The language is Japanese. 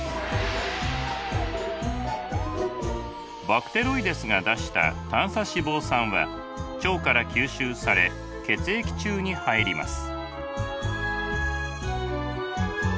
バクテロイデスが出した短鎖脂肪酸は腸から吸収され血液中に入ります。